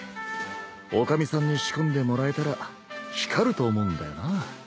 女将さんに仕込んでもらえたら光ると思うんだよなぁ。